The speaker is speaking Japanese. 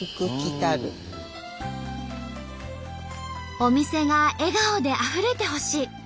「お店が笑顔であふれてほしい」。